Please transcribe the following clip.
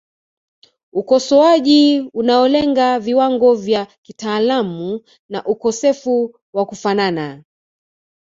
Ukosoaji unaolenga viwango vya kitaalamu na ukosefu wa kufanana